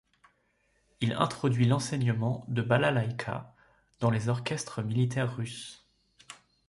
Il introduit l'enseignement de balalaïka dans les orchestres militaires russes.